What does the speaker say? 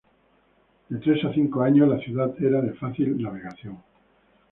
De tres a cinco años, la ciudad era de fácil navegación.